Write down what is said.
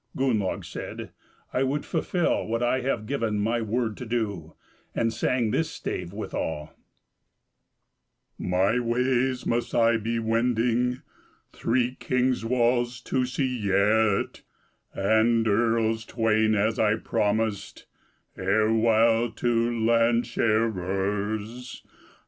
Gunnlaug said, "I would fulfil what I have given my word to do," and sang this stave withal: "My ways must I be wending Three kings' walls to see yet, And earls twain, as I promised Erewhile to land sharers.